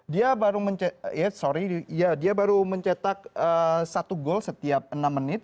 dia baru mencetak satu gol setiap enam menit